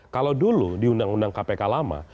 kalau dulu di undang undang kpk lama